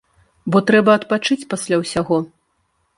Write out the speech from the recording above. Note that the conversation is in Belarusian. Бо трэба адпачыць пасля ўсяго.